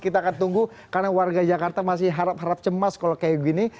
kita akan tunggu karena warga jakarta masih harap harap cemas kalau kayak gini